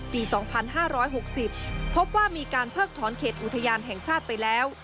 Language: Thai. ปี๒๕๖๐พบว่ามีการเพิกถอนเขตอุทยานแห่งชาติไปแล้ว